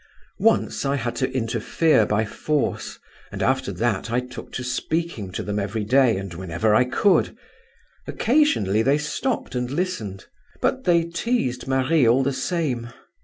"Once I had to interfere by force; and after that I took to speaking to them every day and whenever I could. Occasionally they stopped and listened; but they teased Marie all the same.